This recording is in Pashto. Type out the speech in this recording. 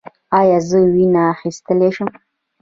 ایا زه وینه اخیستلی شم؟